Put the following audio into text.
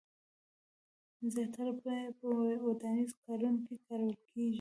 زیاتره یې په ودانیزو کارونو کې کارول کېږي.